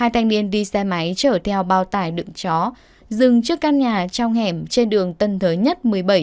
hai thanh niên đi xe máy chở theo bao tải đựng chó dừng trước căn nhà trong hẻm trên đường tân thới nhất một mươi bảy